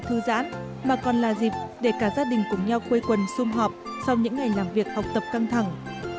thư giãn mà còn là dịp để cả gia đình cùng nhau quây quần xung họp sau những ngày làm việc học tập căng thẳng